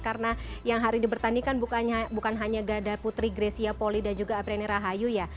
karena yang hari ini bertanding kan bukan hanya gadal putri gresi apoli dan juga apri raya